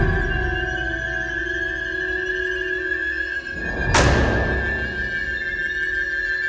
nah pandangan lu beda nih